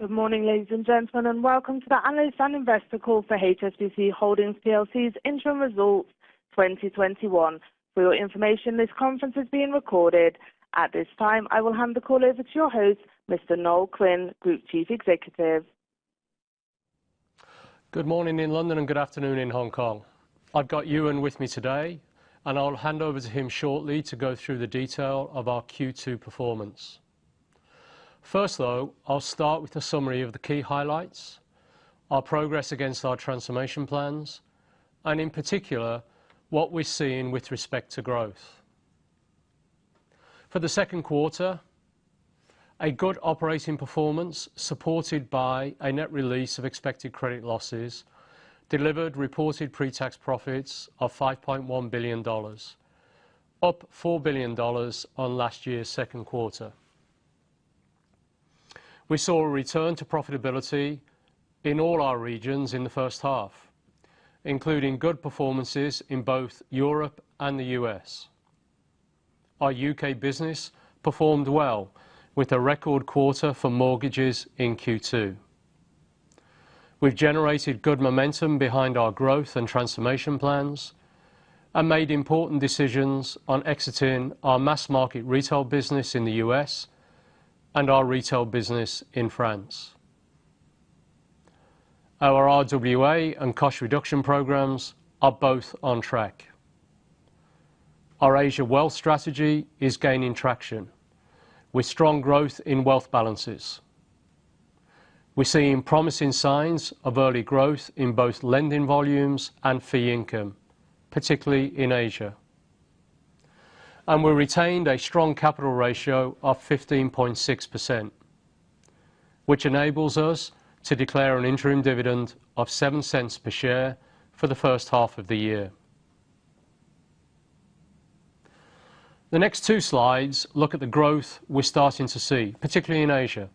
Good morning, ladies and gentlemen, and welcome to the Analyst and Investor Call for HSBC Holdings PLC's interim results 2021. For your information, this conference is being recorded. At this time, I will hand the call over to your host, Mr. Noel Quinn, Group Chief Executive. Good morning in London and good afternoon in Hong Kong. I've got Ewen with me today, and I'll hand over to him shortly to go through the detail of our Q2 performance. First, though, I'll start with a summary of the key highlights, our progress against our transformation plans, and in particular, what we're seeing with respect to growth. For the second quarter, a good operating performance, supported by a net release of expected credit losses, delivered reported pre-tax profits of $5.1 billion, up $4 billion on last year's second quarter. We saw a return to profitability in all our regions in the first half, including good performances in both Europe and the U.S. Our U.K. business performed well, with a record quarter for mortgages in Q2. We've generated good momentum behind our growth and transformation plans and made important decisions on exiting our mass market retail business in the U.S. and our retail business in France. Our RWA and cost reduction programs are both on track. Our Asia wealth strategy is gaining traction, with strong growth in wealth balances. We're seeing promising signs of early growth in both lending volumes and fee income, particularly in Asia. We retained a strong capital ratio of 15.6%, which enables us to declare an interim dividend of $0.07 per share for the first half of the year. The next two slides look at the growth we're starting to see, particularly in Asia.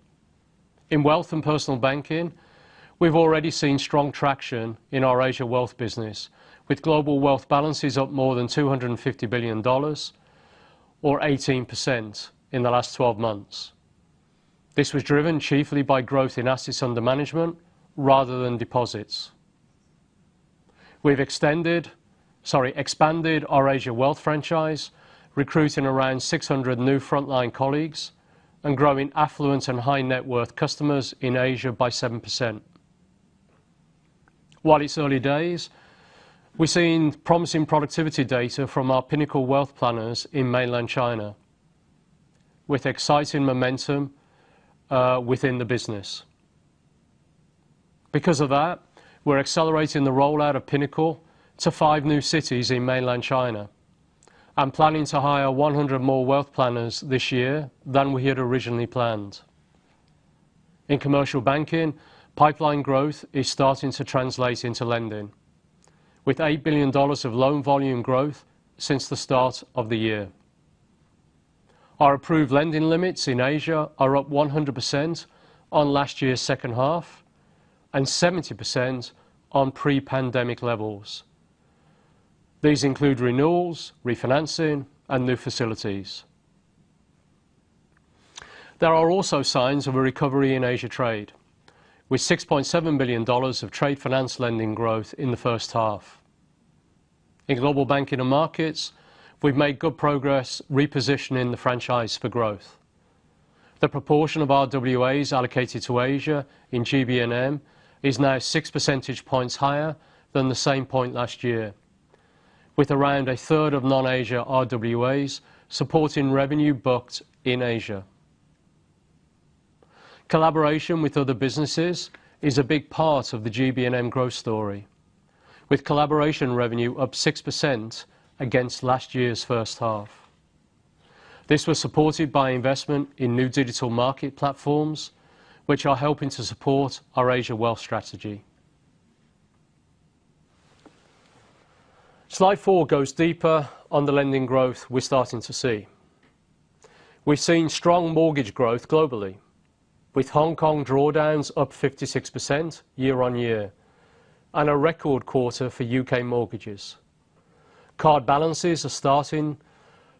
In wealth and personal banking, we've already seen strong traction in our Asia wealth business, with global wealth balances up more than $250 billion or 18% in the last 12 months. This was driven chiefly by growth in assets under management rather than deposits. We've expanded our Asia wealth franchise, recruiting around 600 new frontline colleagues and growing affluent and high net worth customers in Asia by 7%. While it's early days, we're seeing promising productivity data from our Pinnacle wealth planners in mainland China, with exciting momentum within the business. We're accelerating the rollout of Pinnacle to five new cities in mainland China and planning to hire 100 more wealth planners this year than we had originally planned. In commercial banking, pipeline growth is starting to translate into lending, with $8 billion of loan volume growth since the start of the year. Our approved lending limits in Asia are up 100% on last year's second half, and 70% on pre-pandemic levels. These include renewals, refinancing, and new facilities. There are also signs of a recovery in Asia trade, with $6.7 billion of trade finance lending growth in the first half. In Global Banking and Markets, we've made good progress repositioning the franchise for growth. The proportion of RWAs allocated to Asia in GBM is now 6 percentage points higher than the same point last year, with around a third of non-Asia RWAs supporting revenue booked in Asia. Collaboration with other businesses is a big part of the GBM growth story. With collaboration revenue up 6% against last year's first half. This was supported by investment in new digital market platforms, which are helping to support our Asia wealth strategy. Slide four goes deeper on the lending growth we're starting to see. We've seen strong mortgage growth globally, with Hong Kong drawdowns up 56% year-on-year, and a record quarter for U.K. mortgages. Card balances are starting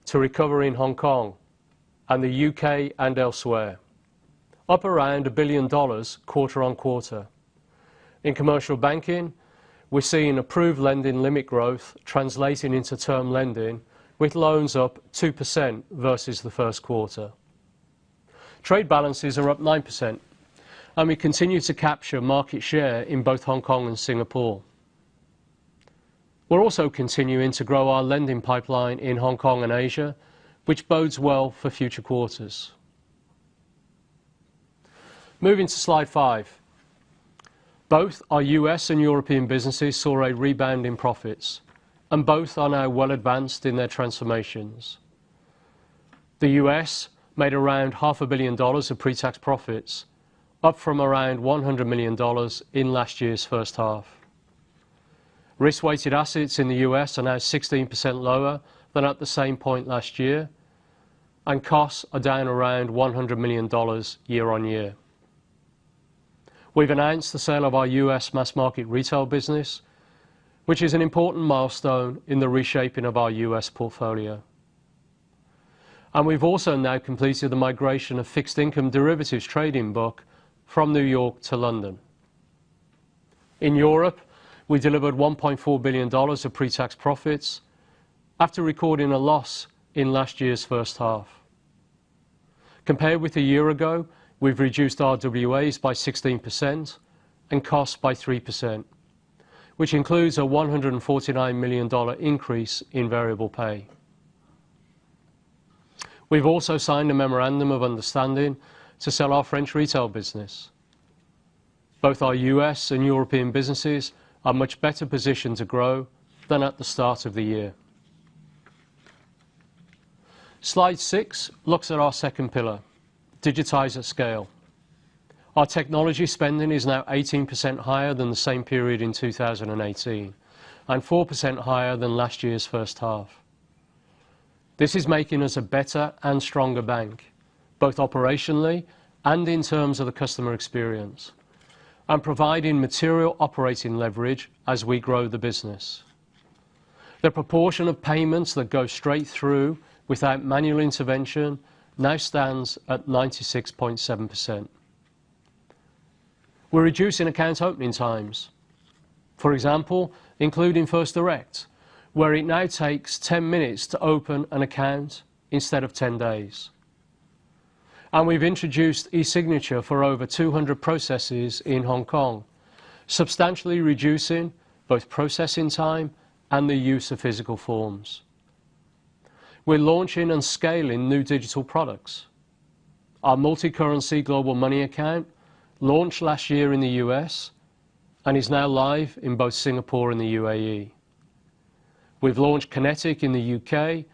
to recover in Hong Kong and the U.K. and elsewhere, up around $1 billion quarter-on-quarter. In commercial banking, we're seeing approved lending limit growth translating into term lending, with loans up 2% versus the first quarter. We continue to capture market share in both Hong Kong and Singapore. We're also continuing to grow our lending pipeline in Hong Kong and Asia, which bodes well for future quarters. Moving to slide five. Both our U.S. and European businesses saw a rebound in profits. Both are now well advanced in their transformations. The U.S. made around $0,5 billion of pre-tax profits, up from around $100 million in last year's first half. Risk-weighted assets in the U.S. are now 16% lower than at the same point last year, and costs are down around $100 million year-on-year. We've announced the sale of our U.S. mass market retail business, which is an important milestone in the reshaping of our U.S. portfolio. We've also now completed the migration of fixed income derivatives trading book from New York to London. In Europe, we delivered $1.4 billion of pre-tax profits after recording a loss in last year's first half. Compared with a year ago, we've reduced our RWAs by 16% and costs by 3%, which includes a $149 million increase in variable pay. We've also signed a memorandum of understanding to sell our French retail business. Both our U.S. and European businesses are much better positioned to grow than at the start of the year. Slide six looks at our second pillar, digitize at scale. Our technology spending is now 18% higher than the same period in 2018, and 4% higher than last year's first half. This is making us a better and stronger bank, both operationally and in terms of the customer experience, and providing material operating leverage as we grow the business. The proportion of payments that go straight through without manual intervention now stands at 96.7%. We're reducing account opening times. For example, including first direct, where it now takes 10 minutes to open an account instead of 10 days. We've introduced e-signature for over 200 processes in Hong Kong, substantially reducing both processing time and the use of physical forms. We're launching and scaling new digital products. Our multicurrency global money account launched last year in the U.S. and is now live in both Singapore and the UAE. We've launched Kinetic in the U.K.,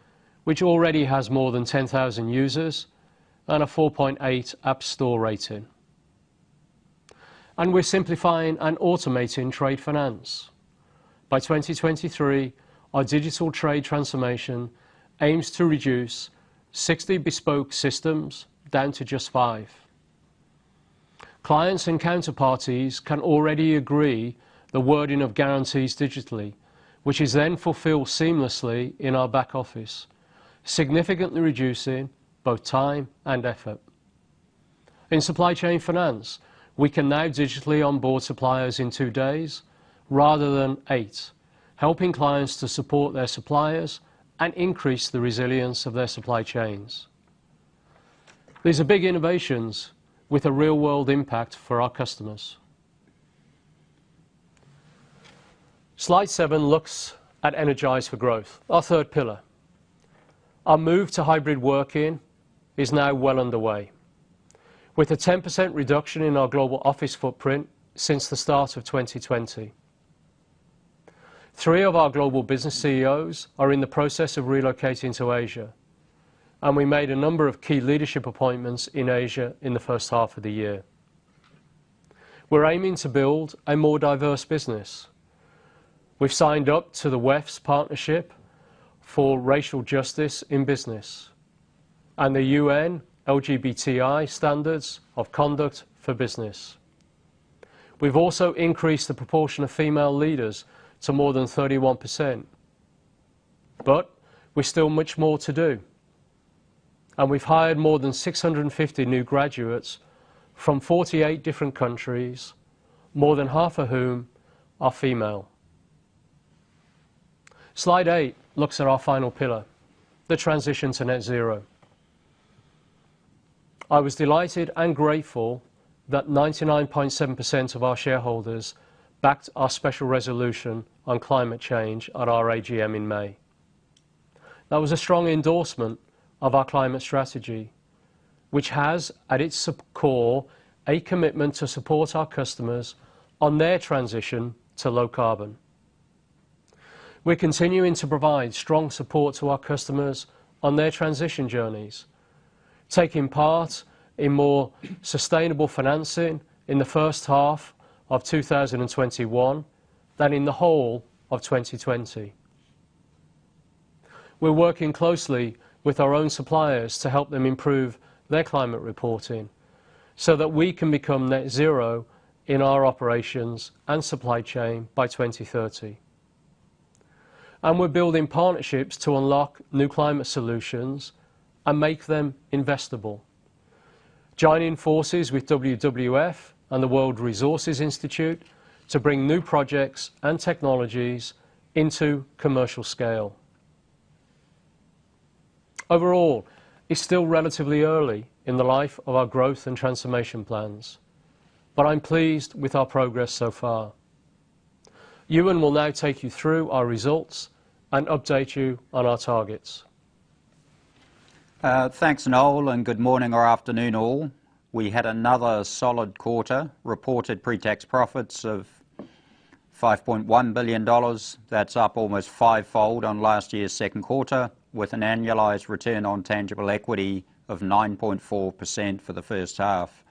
which already has more than 10,000 users and a 4.8 app store rating. We're simplifying and automating trade finance. By 2023, our digital trade transformation aims to reduce 60 bespoke systems down to just five. Clients and counterparties can already agree the wording of guarantees digitally, which is then fulfilled seamlessly in our back office, significantly reducing both time and effort. In supply chain finance, we can now digitally onboard suppliers in two days rather than eight, helping clients to support their suppliers and increase the resilience of their supply chains. These are big innovations with a real-world impact for our customers. Slide seven looks at Energize for Growth, our third pillar. Our move to hybrid working is now well underway, with a 10% reduction in our global office footprint since the start of 2020. Three of our global business CEOs are in the process of relocating to Asia, and we made a number of key leadership appointments in Asia in the first half of the year. We're aiming to build a more diverse business. We've signed up to the WEF's Partnership for Racial Justice in Business and the UN LGBTI Standards of Conduct for Business. We've also increased the proportion of female leaders to more than 31%. We've still much more to do, and we've hired more than 650 new graduates from 48 different countries, more than half of whom are female. Slide eight looks at our final pillar, the transition to net zero. I was delighted and grateful that 99.7% of our shareholders backed our special resolution on climate change at our AGM in May. That was a strong endorsement of our climate strategy, which has at its core a commitment to support our customers on their transition to low carbon. We're continuing to provide strong support to our customers on their transition journeys, taking part in more sustainable financing in the first half of 2021 than in the whole of 2020. We're working closely with our own suppliers to help them improve their climate reporting so that we can become net zero in our operations and supply chain by 2030. We're building partnerships to unlock new climate solutions and make them investable. Joining forces with WWF and the World Resources Institute to bring new projects and technologies into commercial scale. Overall, it's still relatively early in the life of our growth and transformation plans, but I'm pleased with our progress so far. Ewen will now take you through our results and update you on our targets. Thanks, Noel. Good morning or afternoon all. We had another solid quarter. Reported pre-tax profits of $5.1 billion. That's up almost five-fold on last year's second quarter, with an annualized return on tangible equity of 9.4% for the first half.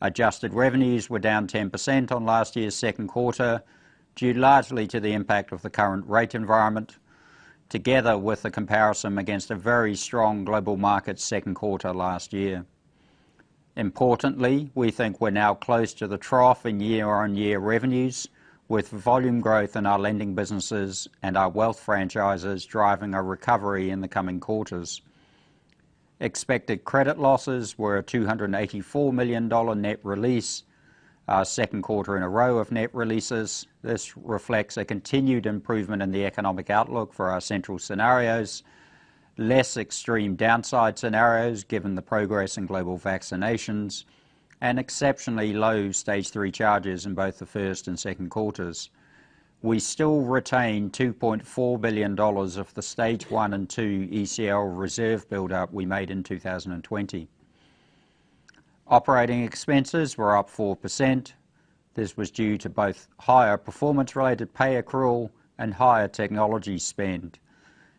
Adjusted revenues were down 10% on last year's second quarter, due largely to the impact of the current rate environment. Together with the comparison against a very strong GBM second quarter last year. Importantly, we think we're now close to the trough in year-on-year revenues, with volume growth in our lending businesses and our wealth franchises driving a recovery in the coming quarters. Expected credit losses were a $284 million net release, our second quarter in a row of net releases. This reflects a continued impr ovement in the economic outlook for our central scenarios, less extreme downside scenarios, given the progress in global vaccinations, and exceptionally low Stage 3 charges in both the first and second quarters. We still retain $2.4 billion of the Stage 1 and 2 ECL reserve buildup we made in 2020. Operating expenses were up 4%. This was due to both higher performance-related pay accrual and higher technology spend.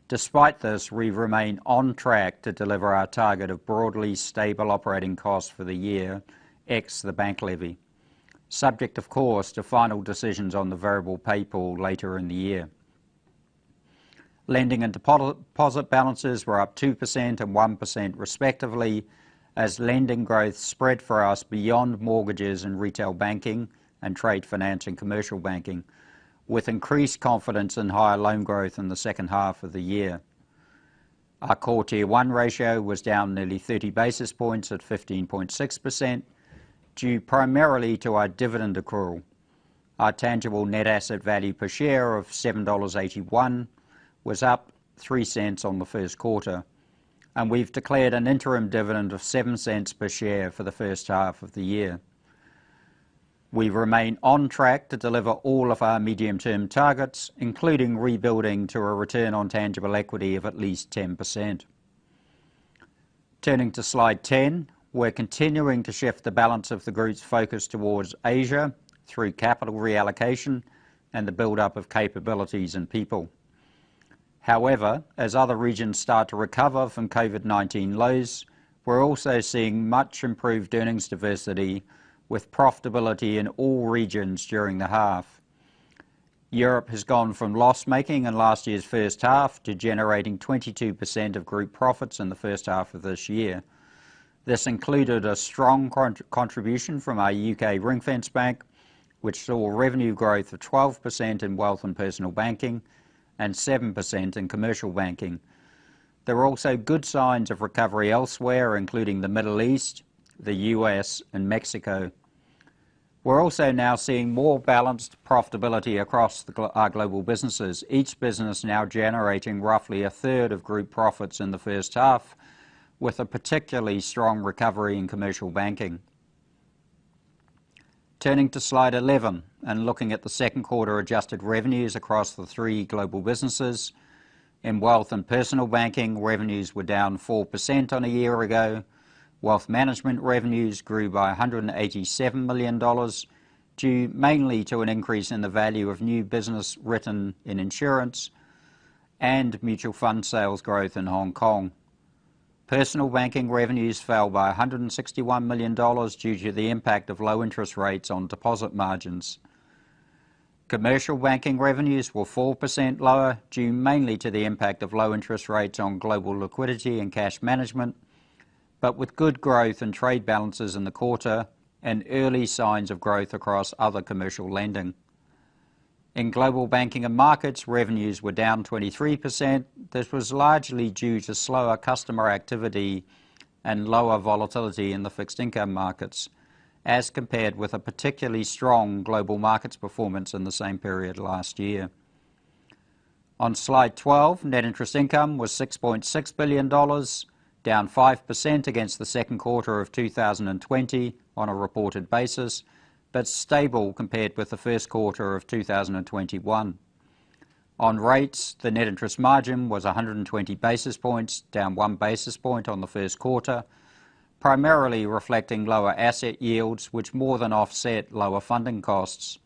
Despite this, we remain on track to deliver our target of broadly stable operating costs for the year, ex the bank levy, subject, of course, to final decisions on the variable pay pool later in the year. Lending and deposit balances were up 2% and 1% respectively, as lending growth spread for us beyond mortgages and retail banking and trade finance and commercial banking, with increased confidence in higher loan growth in the second half of the year. Our Core Tier 1 ratio was down nearly 30 basis points at 15.6%, due primarily to our dividend accrual. Our tangible net asset value per share of $7.81 was up $0.03 on the first quarter, and we've declared an interim dividend of $0.07 per share for the first half of the year. We remain on track to deliver all of our medium-term targets, including rebuilding to a return on tangible equity of at least 10%. Turning to slide 10, we're continuing to shift the balance of the group's focus towards Asia through capital reallocation and the buildup of capabilities in people. However, as other regions start to recover from COVID-19 lows, we're also seeing much improved earnings diversity with profitability in all regions during the half. Europe has gone from loss-making in last year's first half to generating 22% of group profits in the first half of this year. This included a strong contribution from our U.K. Ring-Fenced Bank, which saw revenue growth of 12% in Wealth and Personal Banking and 7% in Commercial Banking. There were also good signs of recovery elsewhere, including the Middle East, the U.S., and Mexico. We're also now seeing more balanced profitability across our global businesses. Each business now generating roughly a 1/3 of group profits in the first half, with a particularly strong recovery in Commercial Banking. Turning to slide 11 and looking at the second quarter adjusted revenues across the three global businesses. In Wealth and Personal Banking, revenues were down 4% on a year ago. Wealth management revenues grew by $187 million, due mainly to an increase in the value of new business written in insurance and mutual fund sales growth in Hong Kong. Personal banking revenues fell by $161 million due to the impact of low interest rates on deposit margins. Commercial banking revenues were 4% lower, due mainly to the impact of low interest rates on global liquidity and cash management, but with good growth in trade balances in the quarter and early signs of growth across other commercial lending. In Global Banking and Markets, revenues were down 23%. This was largely due to slower customer activity and lower volatility in the fixed income markets, as compared with a particularly strong global markets performance in the same period last year. On slide 12, net interest income was $6.6 billion, down 5% against the second quarter of 2020 on a reported basis, stable compared with the first quarter of 2021. On rates, the net interest margin was 120 basis points, down 1 basis point on the first quarter, primarily reflecting lower asset yields, which more than offset lower funding costs.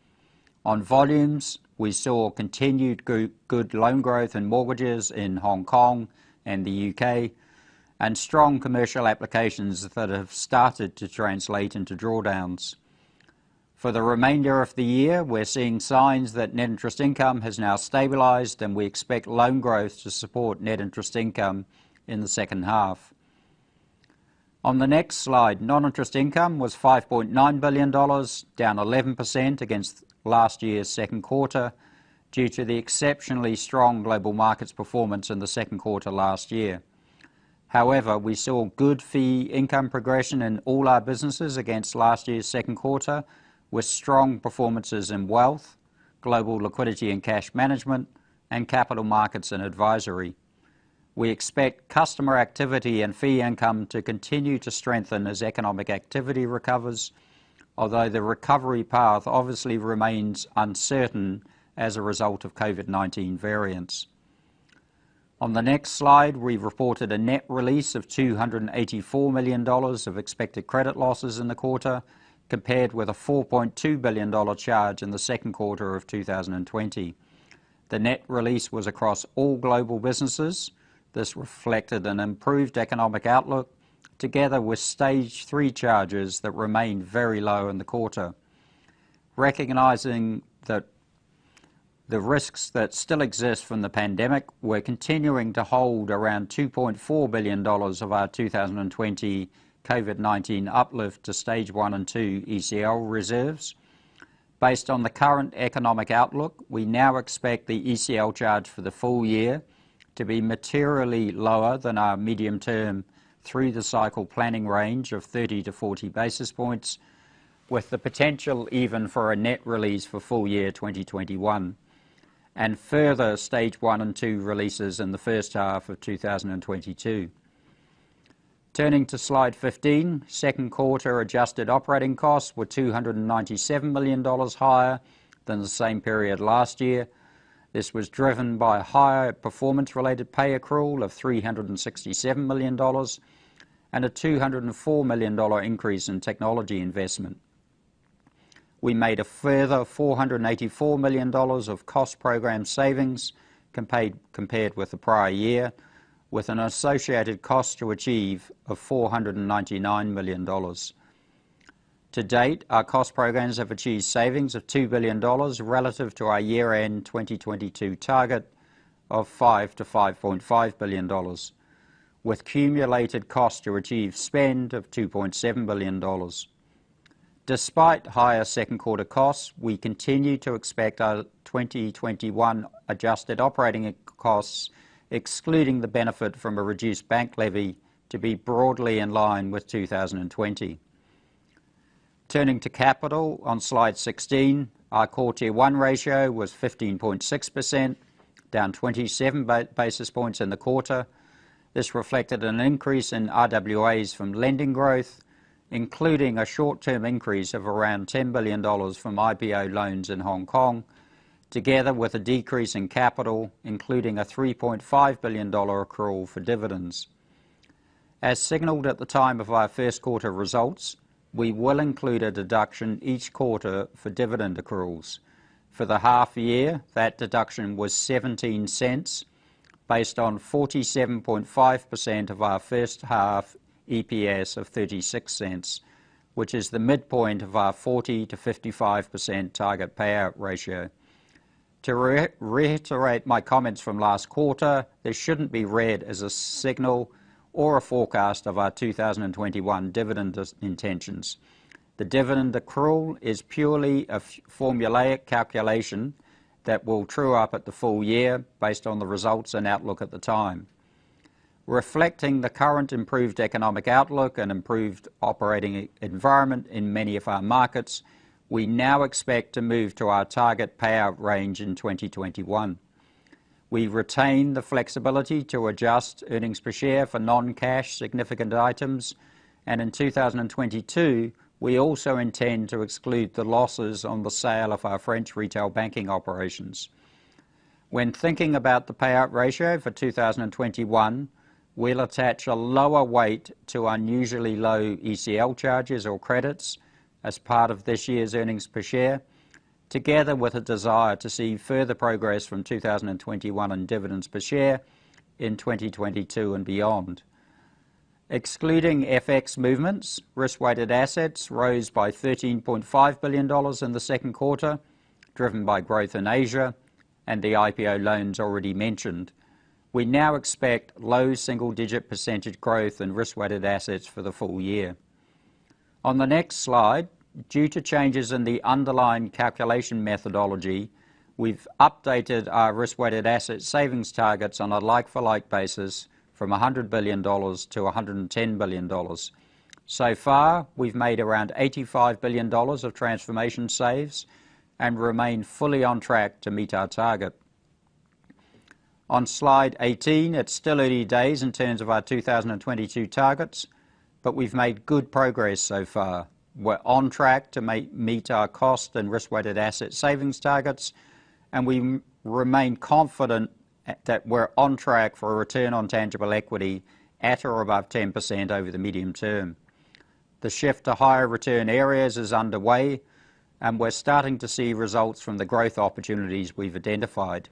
On volumes, we saw continued good loan growth in mortgages in Hong Kong and the U.K. and strong commercial applications that have started to translate into drawdowns. For the remainder of the year, we're seeing signs that net interest income has now stabilized. We expect loan growth to support net interest income in the second half. On the next slide, non-interest income was $5.9 billion, down 11% against last year's second quarter due to the exceptionally strong global markets performance in the second quarter last year. However, we saw good fee income progression in all our businesses against last year's second quarter, with strong performances in wealth, global liquidity and cash management, and capital markets and advisory. We expect customer activity and fee income to continue to strengthen as economic activity recovers. Although the recovery path obviously remains uncertain as a result of COVID-19 variants. On the next slide, we've reported a net release of $284 million of expected credit losses in the quarter, compared with a $4.2 billion charge in the second quarter of 2020. The net release was across all global businesses. This reflected an improved economic outlook, together with Stage 3 charges that remained very low in the quarter. Recognizing the risks that still exist from the pandemic, we're continuing to hold around $2.4 billion of our 2020 COVID-19 uplift to Stage 1 and 2 ECL reserves. Based on the current economic outlook, we now expect the ECL charge for the full year to be materially lower than our medium term through the cycle planning range of 30 basis points-40 basis points, with the potential even for a net release for full year 2021, and further Stage 1 and 2 releases in the first half of 2022. Turning to slide 15, second quarter adjusted operating costs were $297 million higher than the same period last year. This was driven by higher performance-related pay accrual of $367 million, and a $204 million increase in technology investment. We made a further $484 million of cost program savings compared with the prior year, with an associated cost to achieve of $499 million. To date, our cost programs have achieved savings of $2 billion relative to our year-end 2022 target of $5 billion-$5.5 billion, with cumulated cost to achieve spend of $2.7 billion. Despite higher second quarter costs, we continue to expect our 2021 adjusted operating costs, excluding the benefit from a reduced bank levy, to be broadly in line with 2020. Turning to capital on slide 16, our Core Tier 1 ratio was 15.6%, down 27 basis points in the quarter. This reflected an increase in RWAs from lending growth, including a short-term increase of around $10 billion from IPO loans in Hong Kong, together with a decrease in capital, including a $3.5 billion accrual for dividends. As signaled at the time of our first quarter results, we will include a deduction each quarter for dividend accruals. For the half year, that deduction was $0.17, based on 47.5% of our first half EPS of $0.36, which is the midpoint of our 40%-55% target payout ratio. To reiterate my comments from last quarter, this shouldn't be read as a signal or a forecast of our 2021 dividend intentions. The dividend accrual is purely a formulaic calculation that will true up at the full year based on the results and outlook at the time. Reflecting the current improved economic outlook and improved operating environment in many of our markets, we now expect to move to our target payout range in 2021. We retain the flexibility to adjust earnings per share for non-cash significant items. In 2022, we also intend to exclude the losses on the sale of our French retail banking operations. When thinking about the payout ratio for 2021, we'll attach a lower weight to unusually low ECL charges or credits as part of this year's earnings per share, together with a desire to see further progress from 2021 in dividends per share in 2022 and beyond. Excluding FX movements, risk-weighted assets rose by $13.5 billion in the second quarter, driven by growth in Asia and the IPO loans already mentioned. We now expect low single-digit percentage growth in risk-weighted assets for the full year. On the next slide, due to changes in the underlying calculation methodology, we've updated our risk-weighted asset savings targets on a like-for-like basis from $100 billion to $110 billion. So far, we've made around $85 billion of transformation saves and remain fully on track to meet our target. On slide 18, it's still early days in terms of our 2022 targets, but we've made good progress so far. We're on track to meet our cost and risk-weighted asset savings targets, and we remain confident that we're on track for a return on tangible equity at or above 10% over the medium term. The shift to higher return areas is underway, and we're starting to see results from the growth opportunities we've identified.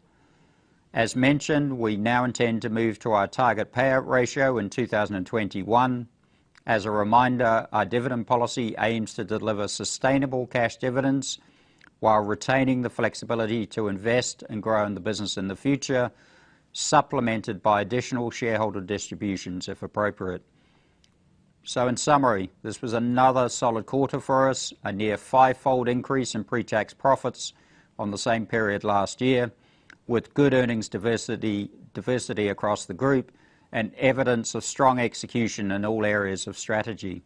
As mentioned, we now intend to move to our target payout ratio in 2021. As a reminder, our dividend policy aims to deliver sustainable cash dividends while retaining the flexibility to invest and grow in the business in the future, supplemented by additional shareholder distributions, if appropriate. In summary, this was another solid quarter for us, a near fivefold increase in pre-tax profits on the same period last year, with good earnings diversity across the group and evidence of strong execution in all areas of strategy.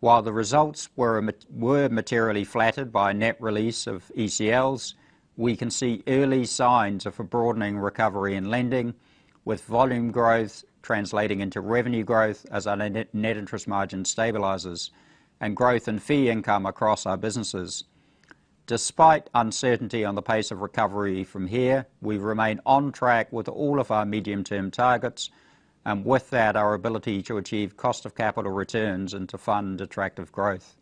While the results were materially flattered by net release of ECLs, we can see early signs of a broadening recovery in lending, with volume growth translating into revenue growth as our net interest margin stabilizes, and growth in fee income across our businesses. Despite uncertainty on the pace of recovery from here, we remain on track with all of our medium-term targets, and with that, our ability to achieve cost of capital returns and to fund attractive growth.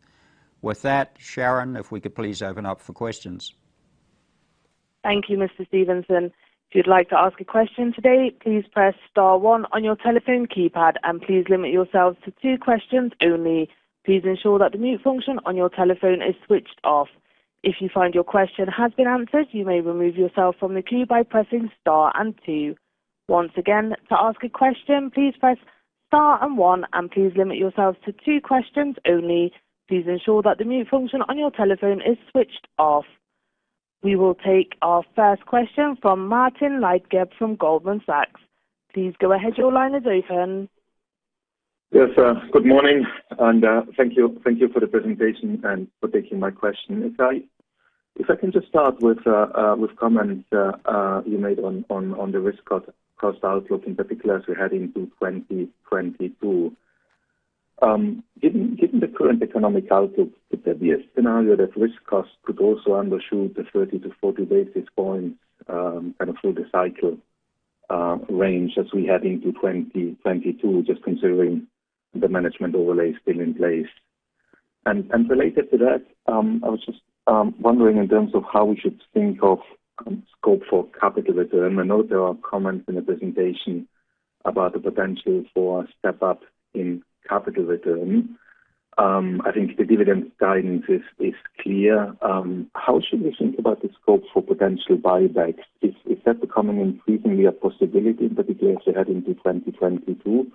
With that, Sharon, if we could please open up for questions. Thank you, Mr. Stevenson. If you'd like to ask a question today, please press star one on your telephone keypad, and please limit yourselves to two questions only. Please ensure that the mute function on your telephone is switched off. If you find your question has been answered, you may remove yourself from the queue by pressing star and two. Once again, to ask a question, please press star and one, and please limit yourselves to two questions only. Please ensure that the mute function on your telephone is switched off. We will take our first question from Martin Leitgeb from Goldman Sachs. Please go ahead. Your line is open. Yes. Good morning, thank you for the presentation and for taking my question. If I can just start with comments you made on the risk-cost outlook, in particular, as we head into 2022. Given the current economic outlook, could there be a scenario that risk cost could also undershoot the 30 basis points-40 basis points, kind of through the cycle range as we head into 2022, just considering the management overlay is still in place? Related to that, I was just wondering in terms of how we should think of scope for capital return. I know there are comments in the presentation about the potential for a step up in capital return. I think the dividend guidance is clear. How should we think about the scope for potential buybacks? Is that becoming increasingly a possibility, in particular, as we head into 2022?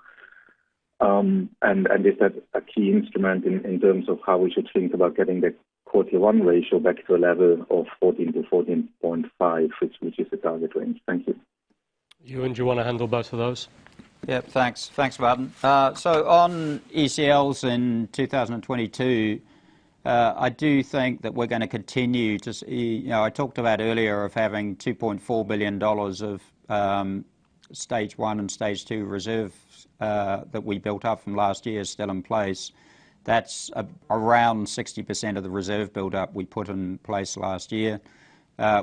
Is that a key instrument in terms of how we should think about getting the Core Tier 1 ratio back to a level of 14-14.5, which is the target range? Thank you. Ewen, do you want to handle both of those? Yeah, thanks. Thanks, Martin. On ECLs in 2022, I do think that we're going to continue to see I talked about earlier of having $2.4 billion of Stage 1 and Stage 2 reserves that we built up from last year still in place. That's around 60% of the reserve buildup we put in place last year.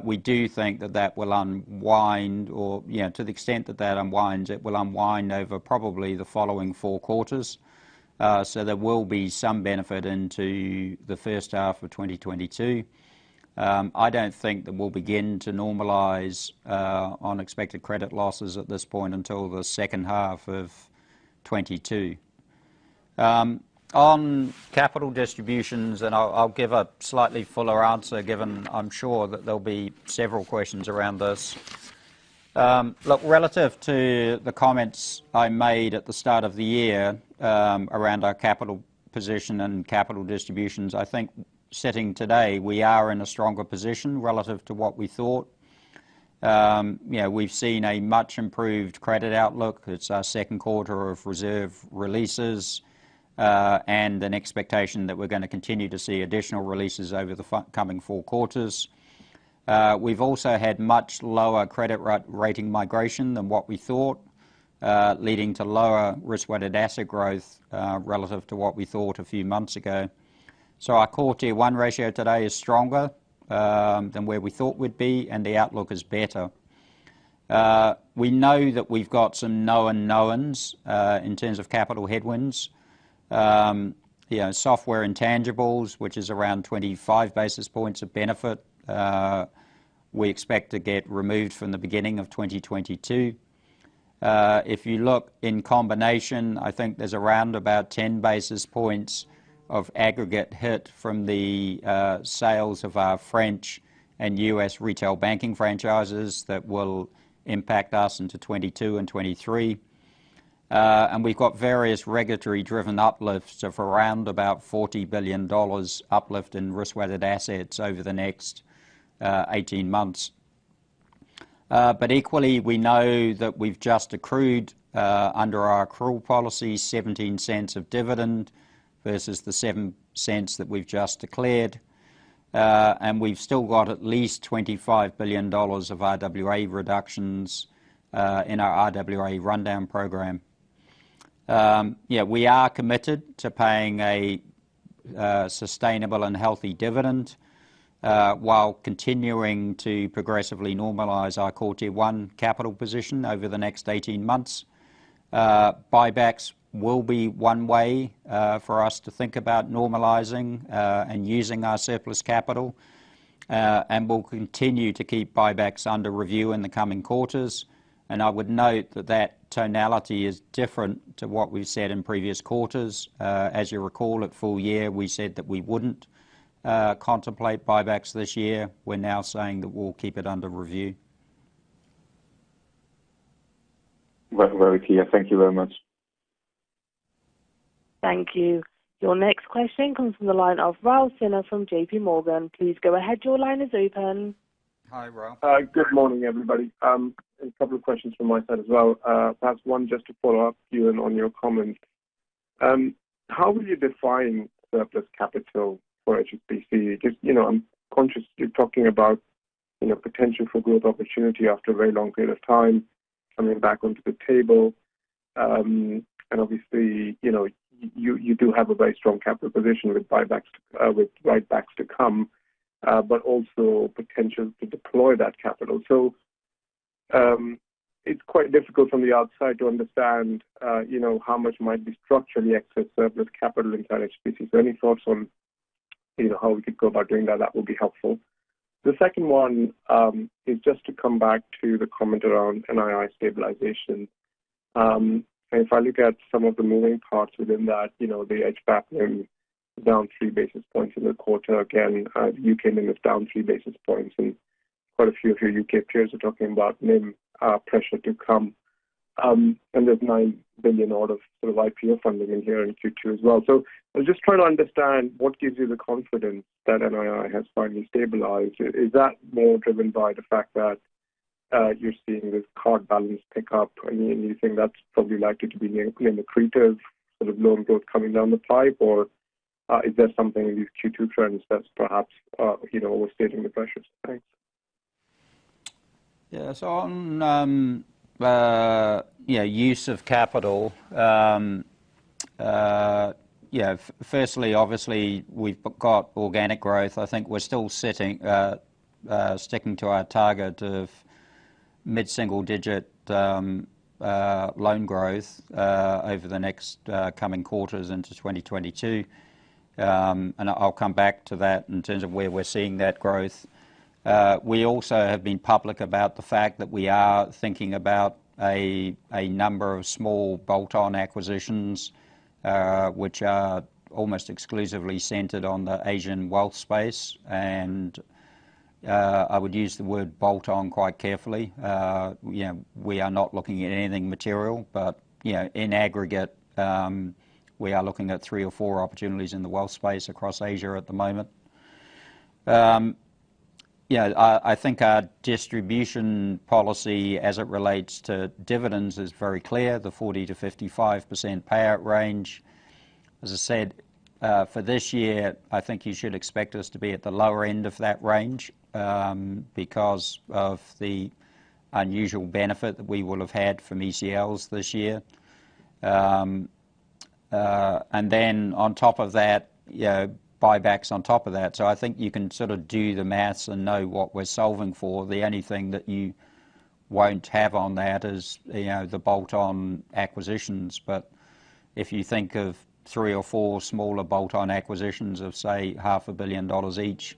We do think that that will unwind, or to the extent that that unwinds, it will unwind over probably the following four quarters. There will be some benefit into the first half of 2022. I don't think that we'll begin to normalize on expected credit losses at this point until the second half of 2022. On capital distributions, I'll give a slightly fuller answer, given I'm sure that there'll be several questions around this. Look, relative to the comments I made at the start of the year around our capital position and capital distributions, I think sitting today, we are in a stronger position relative to what we thought. We've seen a much-improved credit outlook. It's our second quarter of reserve releases, and an expectation that we're going to continue to see additional releases over the coming four quarters. We've also had much lower credit rating migration than what we thought, leading to lower risk-weighted asset growth relative to what we thought a few months ago. Our Core Tier 1 ratio today is stronger than where we thought we'd be, and the outlook is better. We know that we've got some known knowns in terms of capital headwinds. Software intangibles, which is around 25 basis points of benefit, we expect to get removed from the beginning of 2022. If you look in combination, I think there's around about 10 basis points of aggregate hit from the sales of our French and U.S. retail banking franchises that will impact us into 2022 and 2023. We've got various regulatory-driven uplifts of around about $40 billion uplift in risk-weighted assets over the next 18 months. Equally, we know that we've just accrued, under our accrual policy, $0.17 of dividend versus the $0.07 that we've just declared. We've still got at least $25 billion of RWA reductions in our RWA rundown program. We are committed to paying a sustainable and healthy dividend while continuing to progressively normalize our Core Tier 1 capital position over the next 18 months. Buybacks will be one way for us to think about normalizing and using our surplus capital, and we'll continue to keep buybacks under review in the coming quarters. I would note that that tonality is different to what we've said in previous quarters. As you recall, at full year, we said that we wouldn't contemplate buybacks this year. We're now saying that we'll keep it under review. Very clear. Thank you very much. Thank you. Your next question comes from the line of Rahul Sinha from JPMorgan. Please go ahead. Your line is open. Hi, Rahul. Good morning, everybody. A couple of questions from my side as well. Perhaps one just to follow up, Ewen, on your comment. How would you define surplus capital for HSBC? Because I'm conscious you're talking about potential for growth opportunity after a very long period of time coming back onto the table. Obviously, you do have a very strong capital position with buybacks to come, but also potential to deploy that capital. It's quite difficult from the outside to understand how much might be structurally excess surplus capital in HSBC. Any thoughts on how we could go about doing that would be helpful. The second one is just to come back to the comment around NII stabilization. If I look at some of the moving parts within that, the NIM factoring down 3 basis points in the quarter. Again, U.K. limit is down 3 basis points. Quite a few of your U.K. peers are talking about NIM pressure to come. There's $9 billion odd of sort of IPO funding in here in Q2 as well. I'm just trying to understand what gives you the confidence that NII has finally stabilized. Is that more driven by the fact that you're seeing this card balance pick up and you think that's probably likely to be an accretive sort of loan growth coming down the pipe or is there something in these Q2 trends that's perhaps overstating the pressures? Thanks. Yeah. On use of capital, firstly, obviously, we've got organic growth. I think we're still sticking to our target of mid-single-digit loan growth over the next coming quarters into 2022. I'll come back to that in terms of where we're seeing that growth. We also have been public about the fact that we are thinking about a number of small bolt-on acquisitions, which are almost exclusively centered on the Asian wealth space, and I would use the word bolt-on quite carefully. We are not looking at anything material, but in aggregate, we are looking at three or four opportunities in the wealth space across Asia at the moment. I think our distribution policy, as it relates to dividends, is very clear, the 40%-55% payout range. As I said, for this year, I think you should expect us to be at the lower end of that range because of the unusual benefit that we will have had from ECLs this year. Then buybacks on top of that. I think you can sort of do the math and know what we're solving for. The only thing that you won't have on that is the bolt-on acquisitions. If you think of three or four smaller bolt-on acquisitions of, say, $0.5 billion each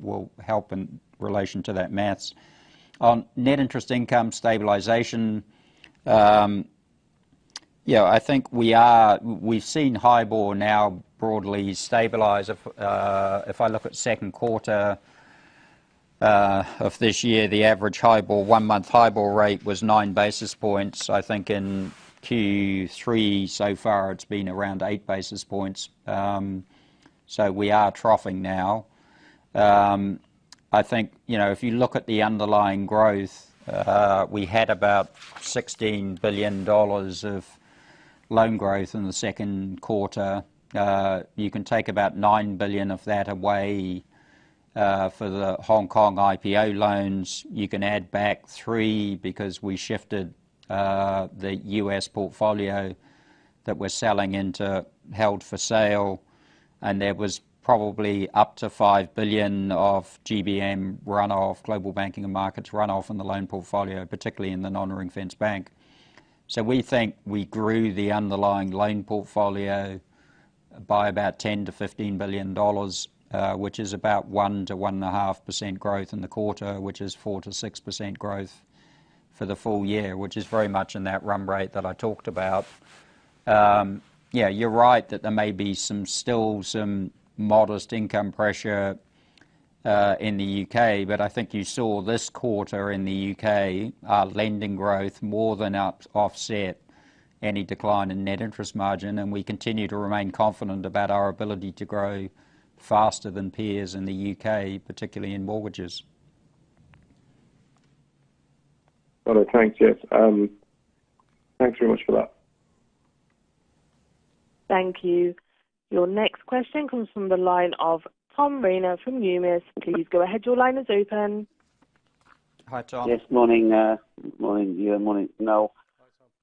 will help in relation to that math. On net interest income stabilization, I think we've seen HIBOR now broadly stabilize. If I look at second quarter of this year, the average one-month HIBOR rate was 9 basis points. I think in Q3 so far, it's been around 8 basis points. We are troughing now. I think if you look at the underlying growth, we had about $16 billion of loan growth in the second quarter. You can take about $9 billion of that away for the Hong Kong IPO loans. You can add back $3 billion because we shifted the U.S. portfolio that we're selling into held for sale, and there was probably up to $5 billion of GBM run-off, Global Banking and Markets run-off in the loan portfolio, particularly in the non-ring-fenced bank. We think we grew the underlying loan portfolio by about $10 billion-$15 billion, which is about 1%-1.5% growth in the quarter, which is 4%-6% growth for the full year, which is very much in that run rate that I talked about. You're right that there may be still some modest income pressure in the U.K. I think you saw this quarter in the U.K., our lending growth more than offset any decline in net interest margin, and we continue to remain confident about our ability to grow faster than peers in the U.K., particularly in mortgages. Got it. Thanks. Yes. Thanks very much for that. Thank you. Your next question comes from the line of Tom Rayner from Numis. Please go ahead. Your line is open. Hi, Tom. Yes. Morning. Morning to you, and morning, Noel.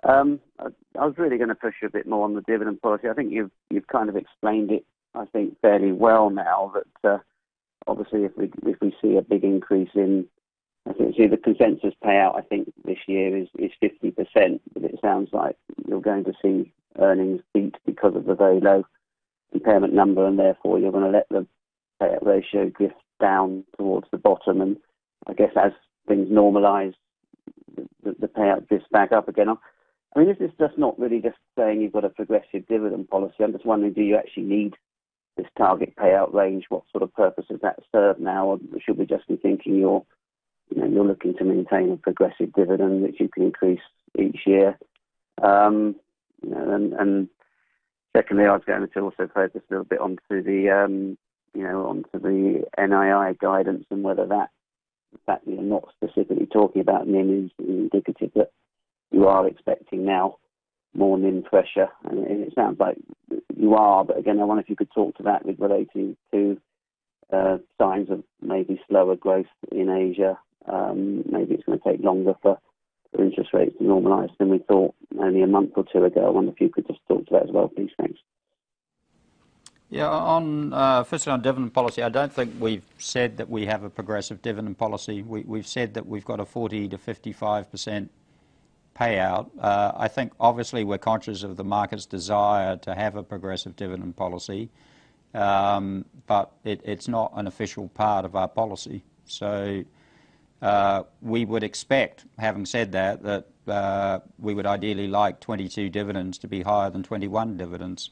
Hi, Tom. I was really going to push a bit more on the dividend policy. I think you've kind of explained it, I think, fairly well now that obviously if we see a big increase in, I think the consensus payout, I think this year is 50%, but it sounds like you're going to see earnings beat because of the very low impairment number, and therefore, you're going to let the payout ratio drift down towards the bottom. I guess as things normalize, the payout drifts back up again. I mean, is this just not really just saying you've got a progressive dividend policy? I'm just wondering, do you actually need this target payout range? What sort of purpose does that serve now? Should we just be thinking you're looking to maintain a progressive dividend that you can increase each year? Secondly, I was going to also focus a little bit onto the NII guidance and whether the fact that you're not specifically talking about NIM is indicative that you are expecting now more NIM pressure. It sounds like you are, but again, I wonder if you could talk to that with relating to signs of maybe slower growth in Asia. Maybe it's going to take longer for interest rates to normalize than we thought only a month or two ago. I wonder if you could just talk to that as well, please. Thanks. Yeah. First, on dividend policy, I don't think we've said that we have a progressive dividend policy. We've said that we've got a 40%-55% payout. I think obviously we're conscious of the market's desire to have a progressive dividend policy, but it's not an official part of our policy. We would expect, having said that we would ideally like 2022 dividends to be higher than 2021 dividends.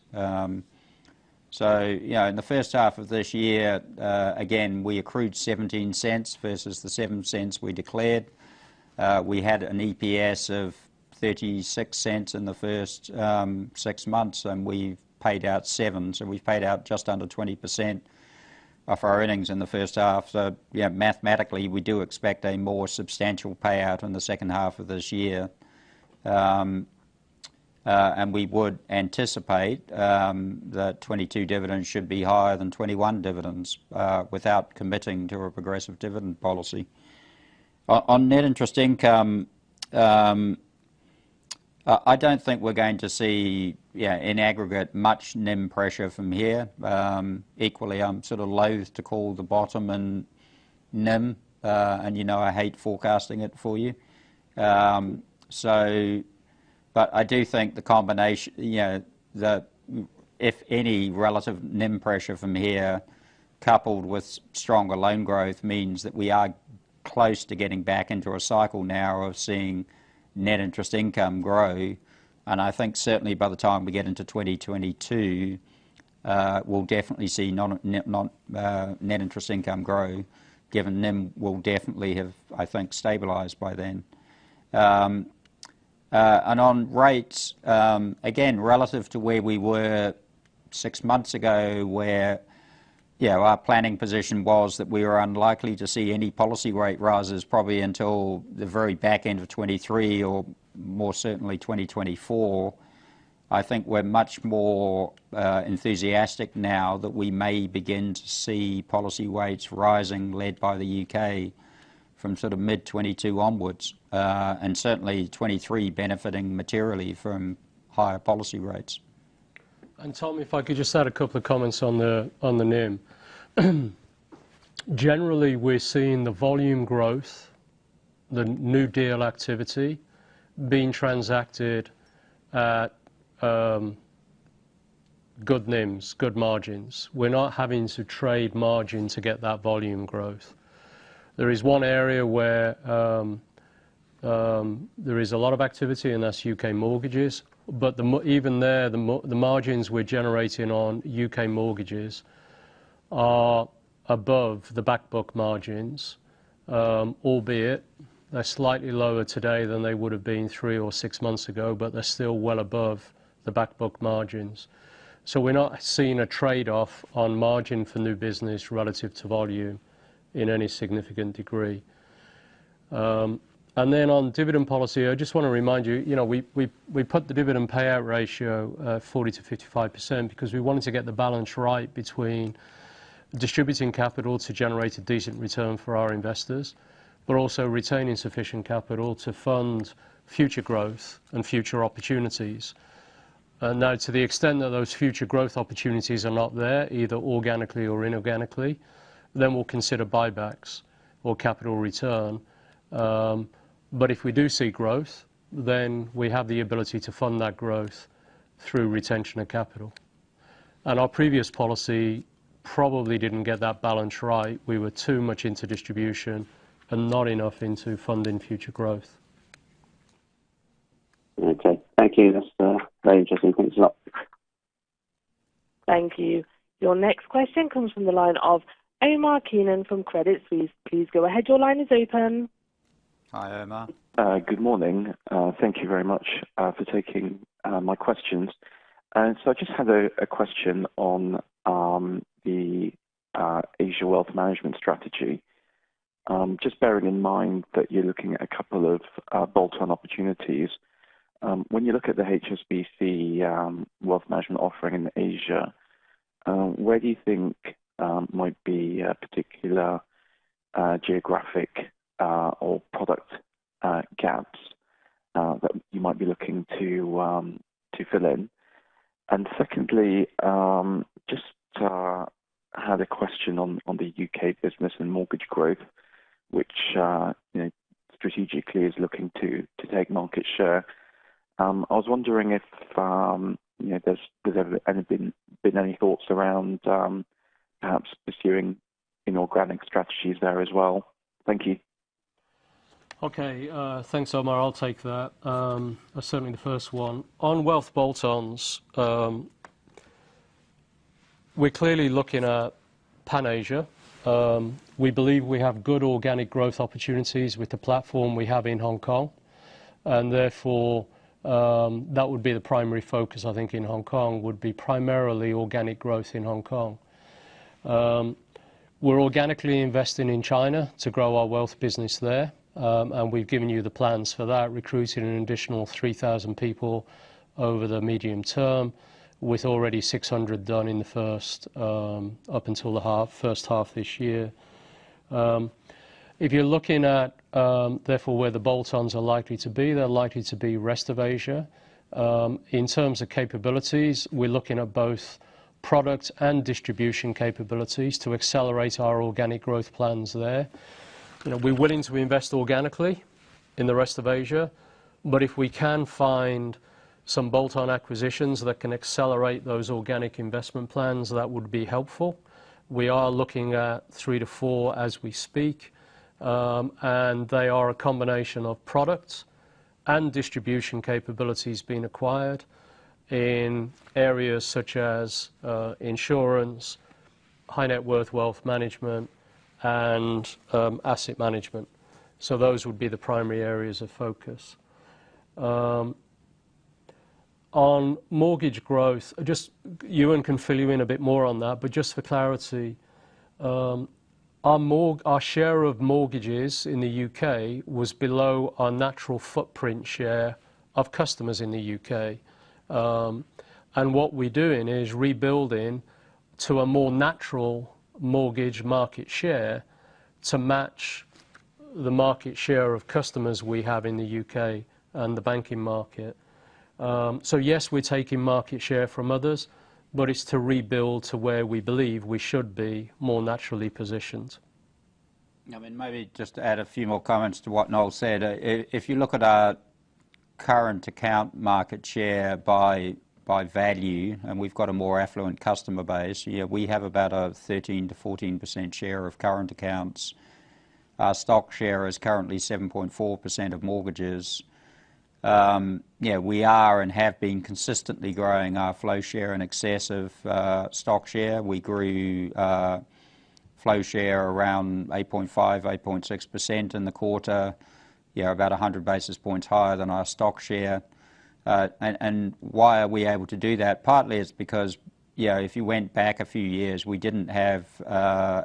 In the first half of this year, again, we accrued 0.17 versus the 0.07 we declared. We had an EPS of 0.36 in the first six months, and we've paid out 0.07. We've paid out just under 20% of our earnings in the first half. Yeah, mathematically, we do expect a more substantial payout in the second half of this year. We would anticipate that 2022 dividends should be higher than 2021 dividends, without committing to a progressive dividend policy. On net interest income, I don't think we're going to see in aggregate much NIM pressure from here. Equally, I'm sort of loathe to call the bottom in NIM, and you know I hate forecasting it for you. I do think if any relative NIM pressure from here coupled with stronger loan growth means that we are close to getting back into a cycle now of seeing net interest income grow. I think certainly by the time we get into 2022, we'll definitely see net interest income grow, given NIM will definitely have, I think, stabilized by then. On rates, again, relative to where we were six months ago, where our planning position was that we were unlikely to see any policy rate rises probably until the very back end of 2023 or more certainly 2024. I think we're much more enthusiastic now that we may begin to see policy rates rising led by the U.K. from mid-2022 onwards. Certainly 2023 benefiting materially from higher policy rates. Tom, if I could just add a couple of comments on the NIM. Generally, we're seeing the volume growth, the new deal activity being transacted at good NIMs, good margins. We're not having to trade margin to get that volume growth. There is one area where there is a lot of activity, and that's U.K. mortgages. Even there, the margins we're generating on U.K. mortgages are above the back book margins. Albeit they're slightly lower today than they would've been three or six months ago, but they're still well above the back book margins. We're not seeing a trade-off on margin for new business relative to volume in any significant degree. On dividend policy, I just want to remind you, we put the dividend payout ratio 40%-55% because we wanted to get the balance right between distributing capital to generate a decent return for our investors, but also retaining sufficient capital to fund future growth and future opportunities. To the extent that those future growth opportunities are not there, either organically or inorganically, then we will consider buybacks or capital return. If we do see growth, then we have the ability to fund that growth through retention of capital. Our previous policy probably didn't get that balance right. We were too much into distribution and not enough into funding future growth. Okay. Thank you. That's very interesting. Thanks a lot. Thank you. Your next question comes from the line of Omar Keenan from Credit Suisse. Please go ahead. Your line is open. Hi, Omar. Good morning. Thank you very much for taking my questions. I just had a question on the Asia wealth management strategy. Just bearing in mind that you're looking at a couple of bolt-on opportunities. When you look at the HSBC wealth management offering in Asia, where do you think might be particular geographic or product gaps that you might be looking to fill in? Secondly, just had a question on the U.K. business and mortgage growth, which strategically is looking to take market share. I was wondering if there's ever been any thoughts around perhaps pursuing inorganic strategies there as well. Thank you. Okay. Thanks, Omar. I'll take that. Certainly the first one. On wealth bolt-ons, we're clearly looking at Pan Asia. We believe we have good organic growth opportunities with the platform we have in Hong Kong, and therefore, that would be the primary focus, I think, in Hong Kong, would be primarily organic growth in Hong Kong. We're organically investing in China to grow our wealth business there. We've given you the plans for that, recruiting an additional 3,000 people over the medium term, with already 600 done up until the first half this year. If you're looking at, therefore, where the bolt-ons are likely to be, they're likely to be rest of Asia. In terms of capabilities, we're looking at both product and distribution capabilities to accelerate our organic growth plans there. We're willing to invest organically in the rest of Asia. If we can find some bolt-on acquisitions that can accelerate those organic investment plans, that would be helpful. We are looking at three-four as we speak. They are a combination of products and distribution capabilities being acquired in areas such as insurance, high-net-worth wealth management, and asset management. Those would be the primary areas of focus. On mortgage growth, Ewen can fill you in a bit more on that. Just for clarity, our share of mortgages in the U.K. was below our natural footprint share of customers in the U.K. What we're doing is rebuilding to a more natural mortgage market share to match the market share of customers we have in the U.K. and the banking market. Yes, we're taking market share from others, but it's to rebuild to where we believe we should be more naturally positioned. Maybe just to add a few more comments to what Noel said. If you look at our current account market share by value, and we've got a more affluent customer base, we have about a 13%-14% share of current accounts. Our stock share is currently 7.4% of mortgages. We are and have been consistently growing our flow share in excess of stock share. We grew flow share around 8.5%, 8.6% in the quarter, about 100 basis points higher than our stock share. Why are we able to do that? Partly it's because if you went back a few years, we didn't have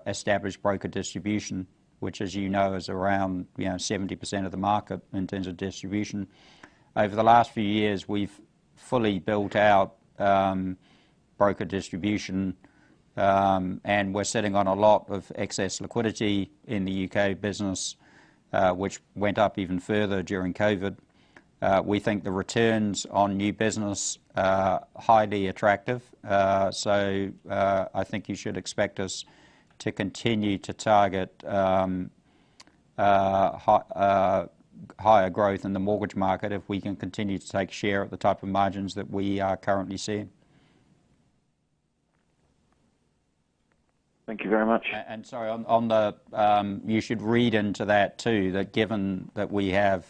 established broker distribution, which as you know, is around 70% of the market in terms of distribution. Over the last few years, we've fully built out broker distribution, and we're sitting on a lot of excess liquidity in the U.K. business, which went up even further during COVID. We think the returns on new business are highly attractive. I think you should expect us to continue to target higher growth in the mortgage market if we can continue to take share at the type of margins that we are currently seeing. Thank you very much. Sorry, you should read into that, too, that given that we have,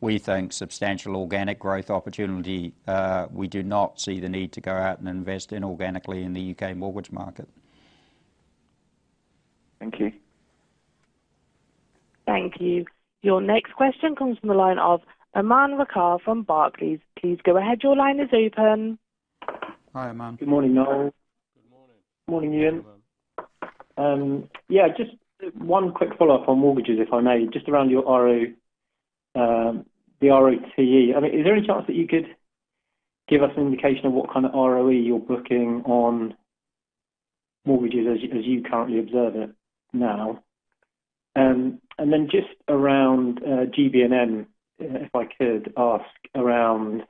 we think, substantial organic growth opportunity, we do not see the need to go out and invest inorganically in the U.K. mortgage market. Thank you. Thank you. Your next question comes from the line of Aman Rakkar from Barclays. Please go ahead. Your line is open. Hi, Aman. Good morning, Noel. Good morning. Morning, Ewen. Just one quick follow-up on mortgages, if I may, just around your ROTE. Is there any chance that you could give us an indication of what kind of ROE you're booking on mortgages as you currently observe it now? Just around GB&M, if I could ask around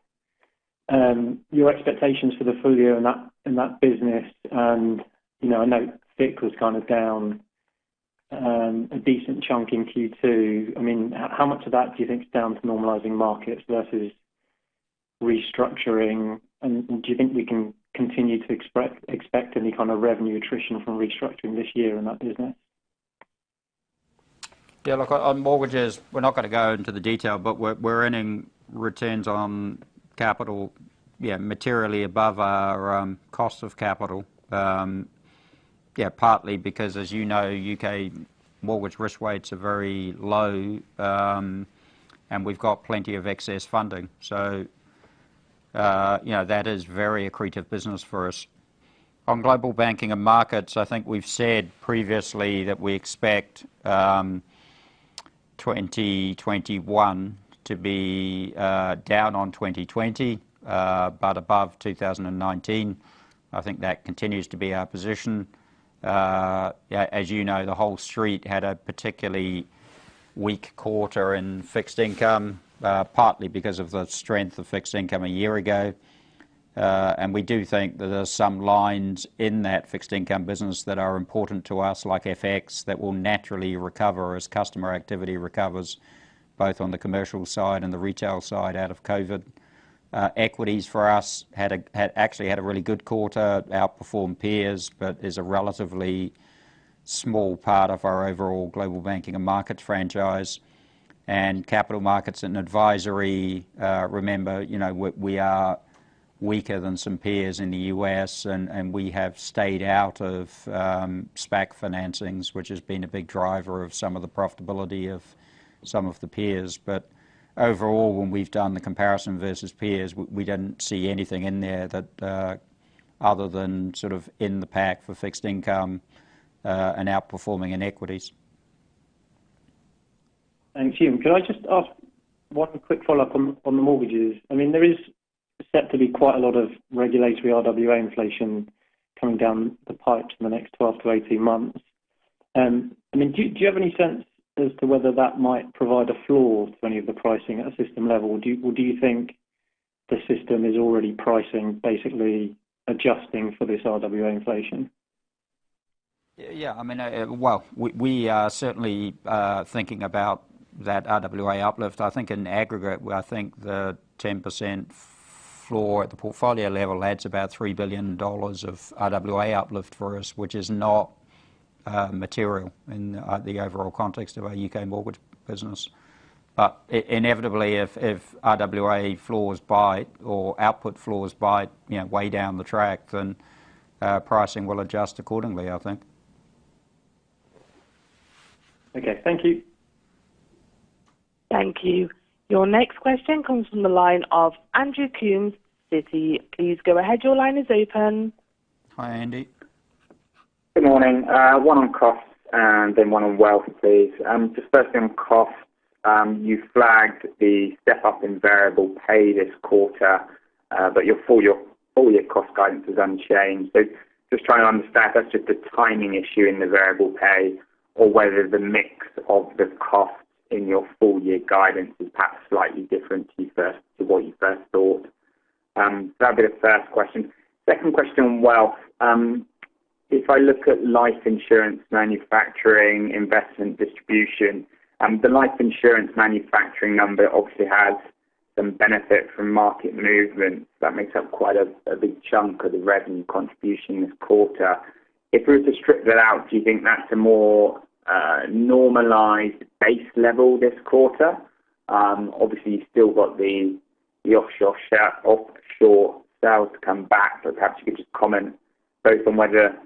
your expectations for the full year in that business, and I know FIC was kind of down a decent chunk in Q2. How much of that do you think is down to normalizing markets versus restructuring, and do you think we can continue to expect any kind of revenue attrition from restructuring this year in that business? On mortgages, we're not going to go into the detail, but we're earning returns on capital materially above our cost of capital. Partly because, as you know, U.K. mortgage risk weights are very low, and we've got plenty of excess funding. That is very accretive business for us. On Global Banking and Markets, I think we've said previously that we expect 2021 to be down on 2020, but above 2019. I think that continues to be our position. As you know, the whole street had a particularly weak quarter in fixed income, partly because of the strength of fixed income a year ago. We do think that there's some lines in that fixed income business that are important to us, like FX, that will naturally recover as customer activity recovers, both on the commercial side and the retail side out of COVID. Equities for us actually had a really good quarter, outperformed peers, is a relatively small part of our overall Global Banking and Markets franchise. Capital markets and advisory, remember, we are weaker than some peers in the U.S., and we have stayed out of SPAC financings, which has been a big driver of some of the profitability of some of the peers. Overall, when we've done the comparison versus peers, we didn't see anything in there other than in the pack for fixed income and outperforming in equities. Thanks, you. Could I just ask one quick follow-up on the mortgages? There is said to be quite a lot of regulatory RWA inflation coming down the pipes in the next 12months-18 months. Do you have any sense as to whether that might provide a floor for any of the pricing at a system level? Do you think the system is already pricing, basically adjusting for this RWA inflation? Yeah. Well, we are certainly thinking about that RWA uplift. I think in aggregate, I think the 10% floor at the portfolio level adds about $3 billion of RWA uplift for us, which is not material in the overall context of our U.K. mortgage business. Inevitably, if RWA floors bite or output floors bite way down the track, then pricing will adjust accordingly, I think. Okay. Thank you. Thank you. Your next question comes from the line of Andrew Coombs, Citi. Please go ahead. Your line is open. Hi, Andy. Good morning. One on costs and then one on wealth, please. First thing on costs. You flagged the step up in variable pay this quarter, your full-year cost guidance is unchanged. Trying to understand if that's just a timing issue in the variable pay or whether the mix of the costs in your full-year guidance is perhaps slightly different to what you first thought. That'd be the first question. Second question on wealth. If I look at life insurance manufacturing, investment distribution, the life insurance manufacturing number obviously has some benefit from market movement. That makes up quite a big chunk of the revenue contribution this quarter. If we were to strip that out, do you think that's a more normalized base level this quarter? Obviously, you've still got the offshore sales to come back, but perhaps you could just comment both on whether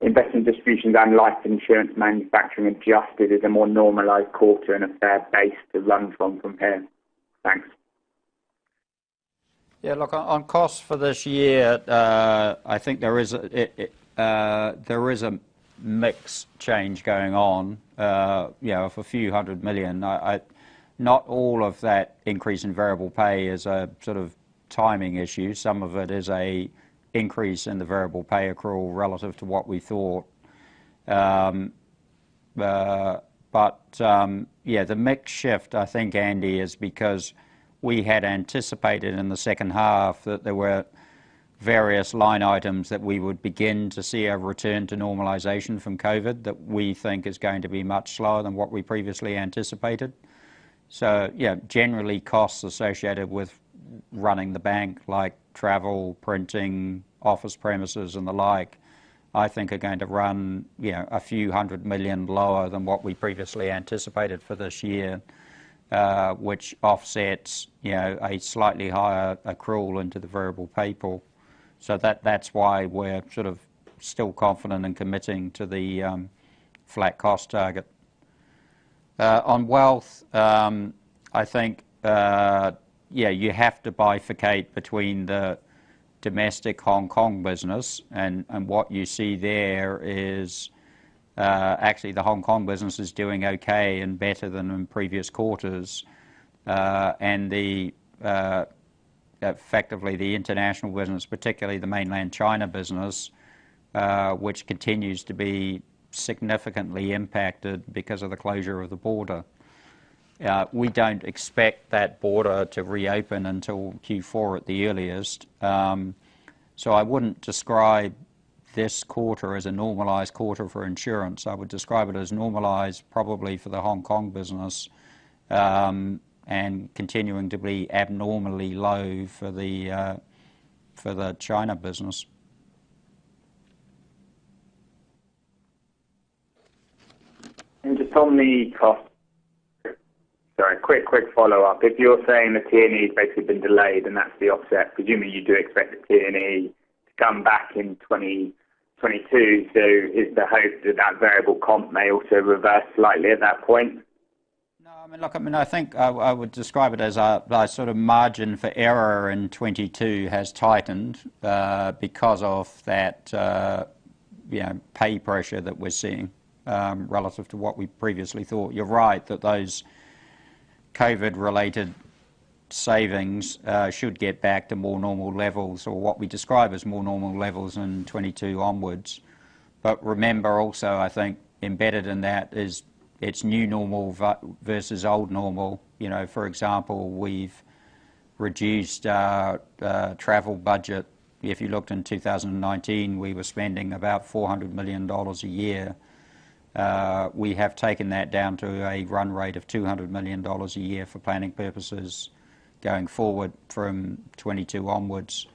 investment distributions and life insurance manufacturing adjusted is a more normalized quarter and a fair base to run from compared. Thanks. Yeah, look, on costs for this year, I think there is a mix change going on. For few hundred million, not all of that increase in variable pay is a sort of timing issue. Some of it is a increase in the variable pay accrual relative to what we thought. The mix shift, I think, Andy, is because we had anticipated in the second half that there were various line items that we would begin to see a return to normalization from COVID that we think is going to be much slower than what we previously anticipated. Yeah, generally costs associated with running the bank, like travel, printing, office premises, and the like, I think are going to run few hundred million lower than what we previously anticipated for this year, which offsets a slightly higher accrual into the variable pay pool. That's why we're sort of still confident in committing to the flat cost target. On wealth, I think, you have to bifurcate between the domestic Hong Kong business, and what you see there is actually the Hong Kong business is doing okay and better than in previous quarters. Effectively the international business, particularly the mainland China business, which continues to be significantly impacted because of the closure of the border. We don't expect that border to reopen until Q4 at the earliest. I wouldn't describe this quarter as a normalized quarter for insurance. I would describe it as normalized probably for the Hong Kong business, and continuing to be abnormally low for the China business. Just on the cost. Sorry, quick follow-up. If you're saying the P&E has basically been delayed, and that's the offset, presumably you do expect the P&E to come back in 2022. Is the hope that that variable comp may also reverse slightly at that point? No. Look, I think I would describe it as our sort of margin for error in 2022 has tightened because of that pay pressure that we're seeing relative to what we previously thought. You're right that those COVID related savings should get back to more normal levels or what we describe as more normal levels in 2022 onwards. Remember also, I think embedded in that is it's new normal versus old normal. For example, we've reduced our travel budget. If you looked in 2019, we were spending about $400 million a year. We have taken that down to a run rate of $200 million a year for planning purposes going forward from 2022 onwards.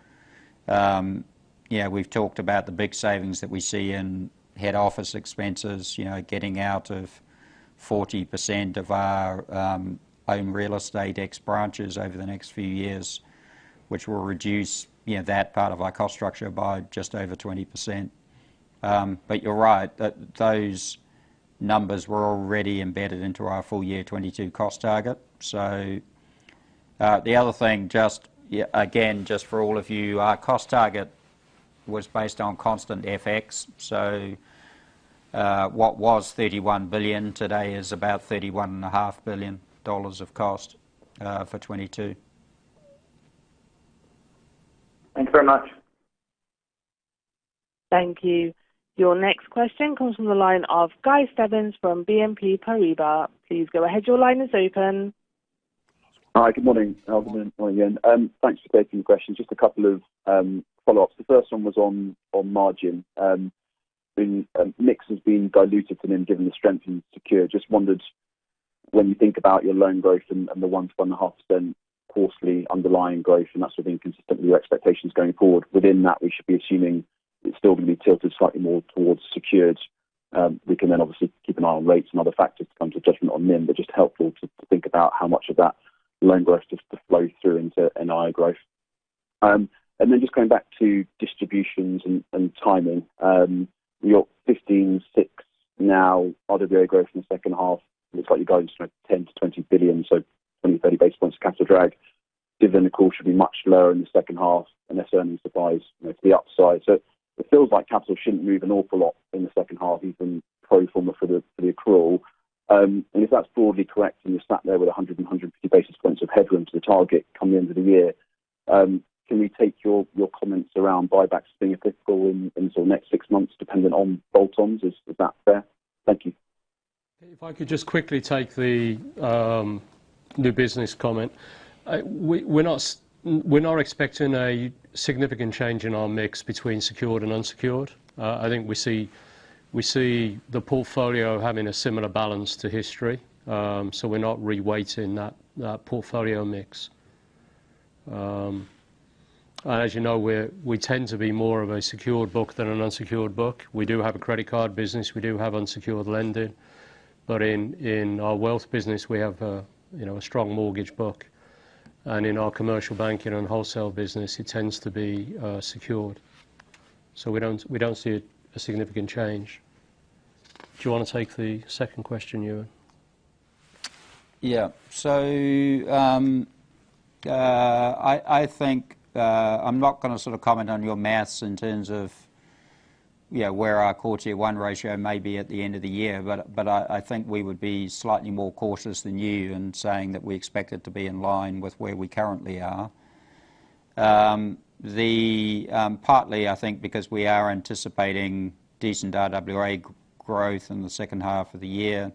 We've talked about the big savings that we see in head office expenses, getting out of 40% of our own real estate ex branches over the next few years, which will reduce that part of our cost structure by just over 20%. You're right, that those numbers were already embedded into our full year 2022 cost target. The other thing, again, just for all of you, our cost target was based on constant FX. What was $31 billion today is about $31.5 billion of cost for 2022. Thanks very much. Thank you. Your next question comes from the line of Guy Stevens from BNP Paribas. Please go ahead. Your line is open. Hi. Good morning. Thanks for taking the question. Just a couple of follow-ups. The first one was on margin. Mix has been diluted for NIM given the strength in secure. Just wondered, when you think about your loan growth and the 1%-1.5% quarterly underlying growth and that sort of thing consistent with your expectations going forward, within that, we should be assuming it's still going to be tilted slightly more towards secured. We can then obviously keep an eye on rates and other factors that comes with judgment on NIM. Just helpful to think about how much of that loan growth just flows through into NII growth. Just going back to distributions and timing. You're 15.6% now RWA growth in the second half. It looks like you're going sort of $10 billion-$20 billion, so 20 basis points-30 basis points capital drag. Dividend accrual should be much lower in the second half unless earnings surprise to the upside. It feels like capital shouldn't move an awful lot in the second half, even pro forma for the accrual. If that's broadly correct, and you're sat there with 100 and 150 basis points of headroom to the target come the end of the year, can we take your comments around buybacks being applicable until next six months dependent on bolt-ons? Is that fair? Thank you. If I could just quickly take the new business comment. We're not expecting a significant change in our mix between secured and unsecured. I think we see the portfolio having a similar balance to history. We're not reweighting that portfolio mix. As you know, we tend to be more of a secured book than an unsecured book. We do have a credit card business. We do have unsecured lending. In our wealth business, we have a strong mortgage book. In our commercial banking and wholesale business, it tends to be secured. We don't see a significant change. Do you want to take the second question, Ewen? I think I'm not going to sort of comment on your maths in terms of where our Core Tier 1 ratio may be at the end of the year. I think we would be slightly more cautious than you in saying that we expect it to be in line with where we currently are. Partly, I think, because we are anticipating decent RWA growth in the second half of the year.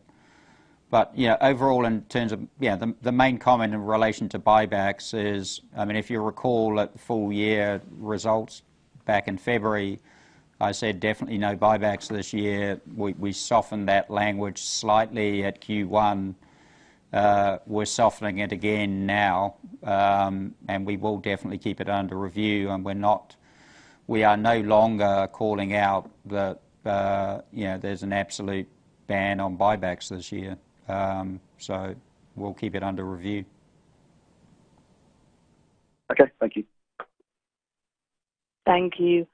Overall, the main comment in relation to buybacks is, if you recall at the full year results back in February, I said definitely no buybacks this year. We softened that language slightly at Q1. We're softening it again now, and we will definitely keep it under review. We are no longer calling out that there's an absolute ban on buybacks this year. We'll keep it under review. Okay. Thank you. Thank you.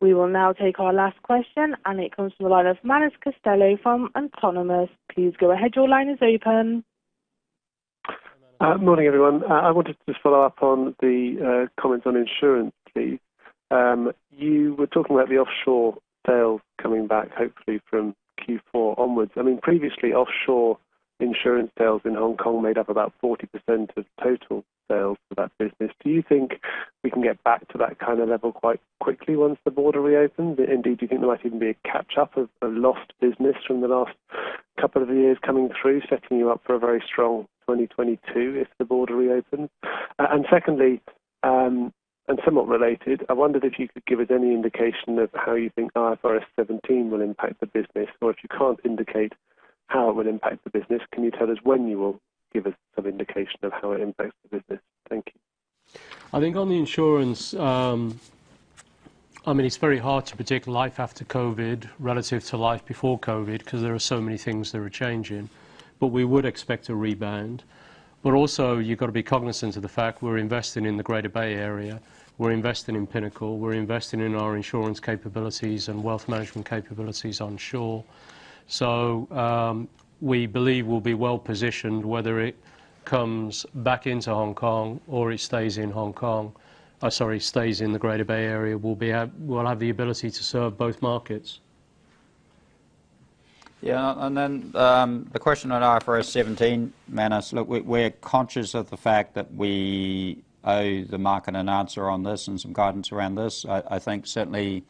We will now take our last question, and it comes from the line of Manus Costello from Autonomous. Please go ahead. Morning, everyone. I wanted to just follow up on the comments on insurance, please. You were talking about the offshore sales coming back, hopefully from Q4 onwards. Previously, offshore insurance sales in Hong Kong made up about 40% of total sales for that business. Do you think we can get back to that kind of level quite quickly once the border reopens? Indeed, do you think there might even be a catch up of lost business from the last couple of years coming through, setting you up for a very strong 2022 if the border reopens? Secondly, and somewhat related, I wondered if you could give us any indication of how you think IFRS 17 will impact the business. If you can't indicate how it will impact the business, can you tell us when you will give us some indication of how it impacts the business? Thank you. I think on the insurance, it's very hard to predict life after COVID relative to life before COVID because there are so many things that are changing. We would expect a rebound. Also, you've got to be cognizant of the fact we're investing in the Greater Bay Area, we're investing in Pinnacle, we're investing in our insurance capabilities and wealth management capabilities onshore. We believe we'll be well positioned, whether it comes back into Hong Kong or it stays in Hong Kong, sorry, stays in the Greater Bay Area. We'll have the ability to serve both markets. Yeah. The question on IFRS 17, Manus. Look, we're conscious of the fact that we owe the market an answer on this and some guidance around this. I think certainly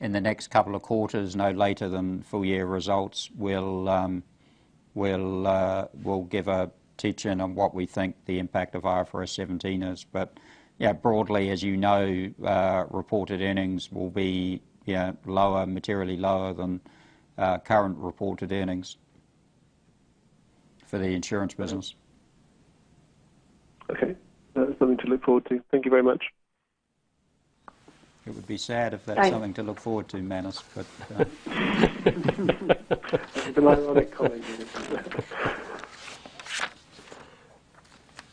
in the next couple of quarters, no later than full year results, we'll give a teach-in on what we think the impact of IFRS 17 is. Broadly, as you know, reported earnings will be lower, materially lower than current reported earnings for the insurance business. Okay. That is something to look forward to. Thank you very much. It would be sad if that's something to look forward to, Manus. Rely on a colleague.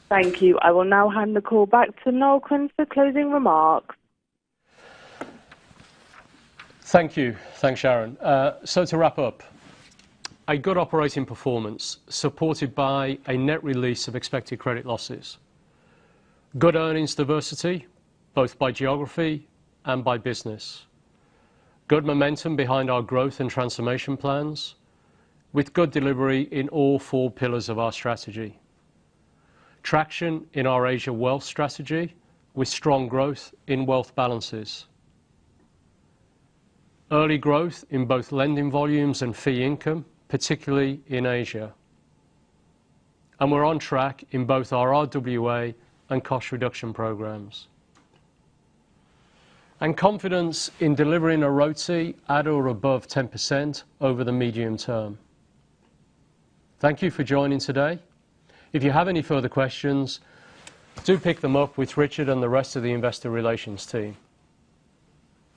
Thank you. I will now hand the call back to Noel Quinn for closing remarks. Thank you. Thanks, Sharon. To wrap up, a good operating performance supported by a net release of expected credit losses. Good earnings diversity, both by geography and by business. Good momentum behind our growth and transformation plans, with good delivery in all four pillars of our strategy. Traction in our Asia wealth strategy, with strong growth in wealth balances. Early growth in both lending volumes and fee income, particularly in Asia. We're on track in both our RWA and cost reduction programs. Confidence in delivering a ROTCE at or above 10% over the medium term. Thank you for joining today. If you have any further questions, do pick them up with Richard and the rest of the investor relations team.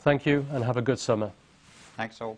Thank you, and have a good summer. Thanks all.